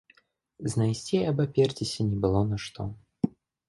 Знайсці і абаперціся не было на што.